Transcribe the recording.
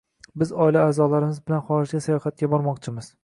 Biz oila a’zolarimiz bilan xorijga sayohatga bormoqchimiz.